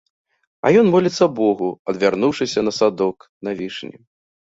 А ён моліцца богу, адвярнуўшыся на садок, на вішні.